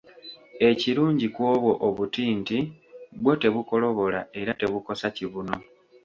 Ekirungi ku obwo obuti nti bwo tebukolobola era tebukosa kibuno.